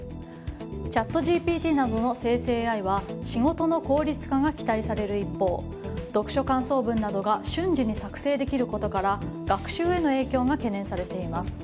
チャットＧＰＴなどの生成ＡＩは仕事の効率化が期待される一方読書感想文などが瞬時に作成できることから学習への影響が懸念されています。